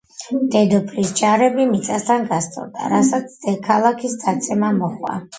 დედოფლის ჯარები მიწასთან გასწორდა, რასაც ქალაქის დაცემა მოჰყვა.